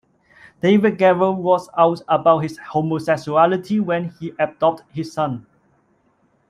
David Gerrold was out about his homosexuality when he adopted his son.